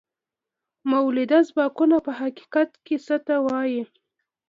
مؤلده ځواکونه په حقیقت کې څه ته وايي؟